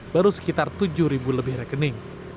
baru sekitar tujuh lebih rekening